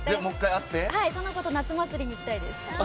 その子と夏祭りに行きたいです。